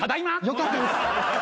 よかったです。